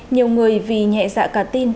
nhiều người vì nhẹ dạ cả tin